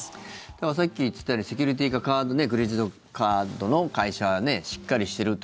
さっき言ってたようにセキュリティーがクレジットカードの会社はしっかりしてるって。